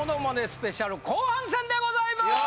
スペシャル後半戦でございます！